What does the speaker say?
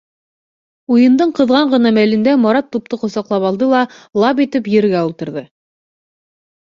Уйындың ҡыҙған ғына мәлендә Марат тупты ҡосаҡлап алды ла «лап» итеп ергә ултырҙы.